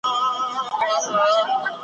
هغه شاعر هېر که چي نظمونه یې لیکل درته .